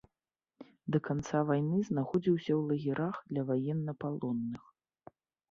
Да канца вайны знаходзіўся ў лагерах для ваеннапалонных.